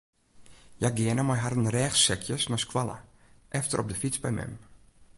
Hja geane mei harren rêchsekjes nei skoalle, efter op de fyts by mem.